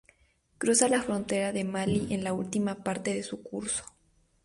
Cruza la frontera de Malí en la última parte de su curso.